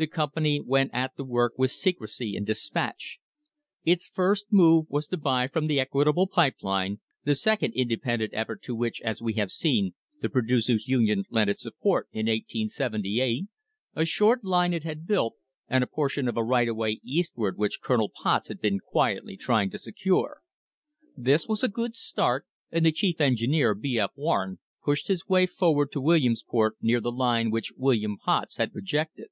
The company went at the work with secrecy and despatch. Its first move was to buy from the Equitable Pipe Line, the second independent effort to which, as we have seen, the Producers' Union lent its support in 1878, a short line it had built, and a portion of a right of way eastward which Colonel Potts had been quietly trying to secure. This was a good start, and the chief engineer, B. F. Warren, pushed his way forward to Wil liamsport near the line which Colonel Potts had projected.